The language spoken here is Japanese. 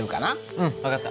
うん分かった。